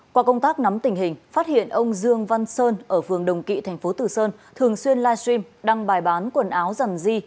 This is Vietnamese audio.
qua công tác nắm tình hình phát hiện ông dương văn sơn ở phường đồng kỵ tp tử sơn thường xuyên livestream đăng bài bán quần áo dằn di